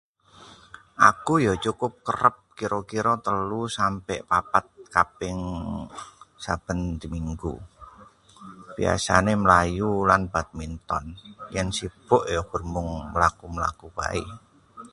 Aku ya cukup kerep, kira-kira 3–4 kaping saben minggu. Biasane mlayu lan badminton. Yen sibuk mung mlaku-mlaku bae.